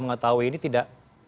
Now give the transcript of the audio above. mengetahui ini tidak